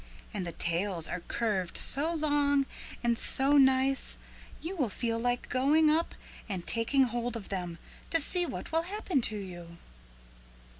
And the tails are curved so long and so nice you will feel like going up and taking hold of them to see what will happen to you."